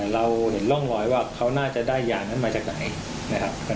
เราเห็นร่องรอยแล้วแหละว่าที่มาของยานั้นน่ะน่าจะมาจากไหน